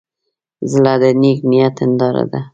زړه د نیک نیت هنداره ده.